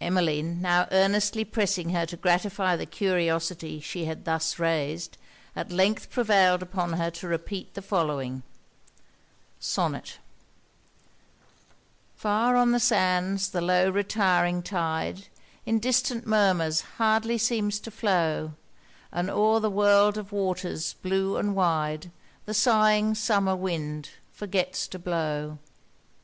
Emmeline now earnestly pressing her to gratify the curiosity she had thus raised, at length prevailed upon her to repeat the following SONNET Far on the sands, the low, retiring tide, In distant murmurs hardly seems to flow, And o'er the world of waters, blue and wide The sighing summer wind, forgets to blow.